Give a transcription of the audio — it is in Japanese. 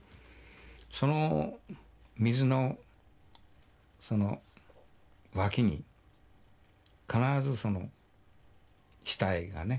その水のその脇に必ずその死体がね